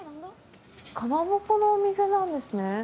かまぼこのお店なんですね。